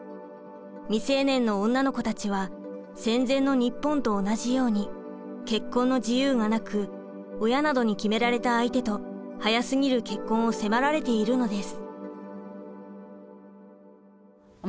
未成年の女の子たちは戦前の日本と同じように結婚の自由がなく親などに決められた相手と早すぎる結婚を迫られているのです。